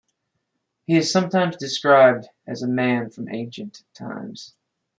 He is sometimes described as a man from ancient times.